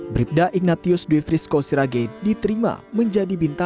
bribda ignatius dwi frisco sirage diterima menjadi bintang